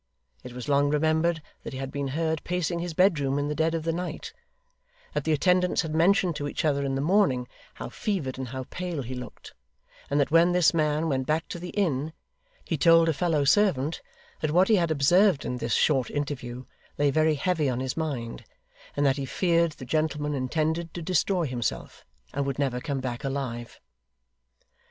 It was long remembered that he had been heard pacing his bedroom in the dead of the night; that the attendants had mentioned to each other in the morning, how fevered and how pale he looked; and that when this man went back to the inn, he told a fellow servant that what he had observed in this short interview lay very heavy on his mind, and that he feared the gentleman intended to destroy himself, and would never come back alive.